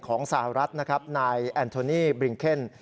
สหรัฐนะครับนายแอนโทนี่บริงเคน